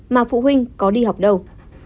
mà phụ huynh có đi học đâu